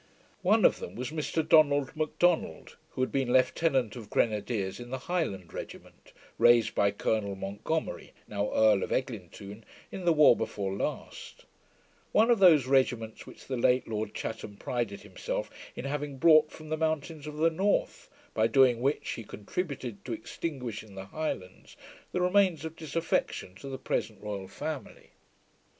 One of them was Mr Donald Macdonald, who had been lieutenant of grenadiers in the Highland regiment, raised by Colonel Montgomery, now Earl of Eglintoune, in the war before last; one of those regiments which the late Lord Chatham prided himself in having brought from 'the mountains of the north': by doing which he contributed to extinguish in the Highlands the remains of disaffection to the present Royal Family.